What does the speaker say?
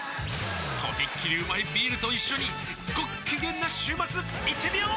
とびっきりうまいビールと一緒にごっきげんな週末いってみよー！